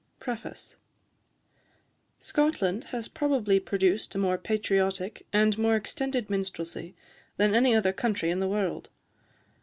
PREFACE. Scotland has probably produced a more patriotic and more extended minstrelsy than any other country in the world.